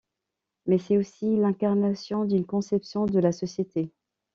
Mais c’est aussi l’incarnation d’une conception de la société.